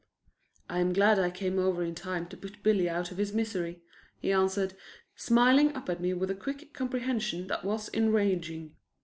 "I'm glad I came over in time to put Billy out of his misery," he answered, smiling up at me with a quick comprehension that was enraging.